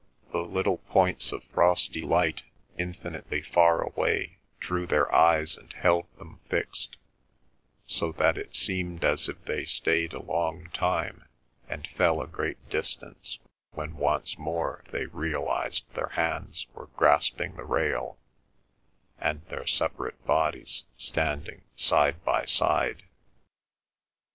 The little points of frosty light infinitely far away drew their eyes and held them fixed, so that it seemed as if they stayed a long time and fell a great distance when once more they realised their hands grasping the rail and their separate bodies standing side by side.